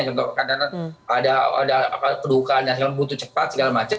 contoh kadang ada kedukaan yang butuh cepat segala macam